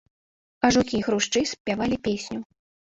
А жукі і хрушчы спявалі песню.